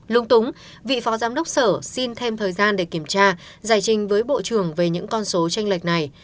lung túng vị phó giám đốc sở xin thêm thời gian để kiểm tra giải trình với bộ trưởng về những con số tranh lệch này